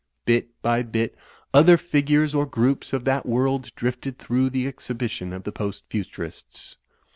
Bit by bit other figures or groups of that world drifted through the Exhibition of the Post Futurists.